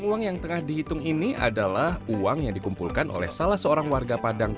uang yang tengah dihitung ini adalah uang yang dikumpulkan oleh salah seorang warga padang